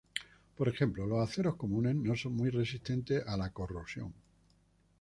Por ejemplo, los aceros comunes no son muy resistentes a la corrosión.